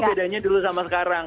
nah itu bedanya dulu sama sekarang